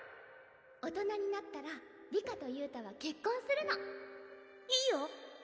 大人になったら里香と憂太は結婚するいいよ。